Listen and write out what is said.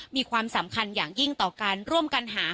มีความสำคัญอย่างยิ่งต่อการร่วมกันหา